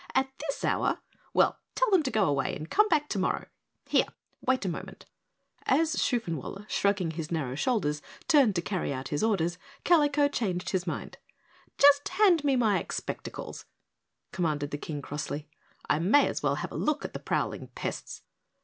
"At this hour! Well, tell them to go away and come back tomorrow. Here, wait a moment." As Shoofenwaller, shrugging his narrow shoulders, turned to carry out his orders, Kalico changed his mind. "Just hand me my expectacles," commanded the King crossly, "I may as well have a look at the prowling pests."